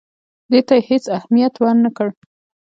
دې ته یې هېڅ اهمیت ورنه کړ.